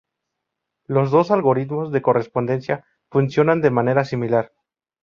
Los dos algoritmos de correspondencia funcionan de manera similar.